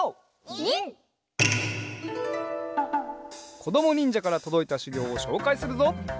こどもにんじゃからとどいたしゅぎょうをしょうかいするぞ。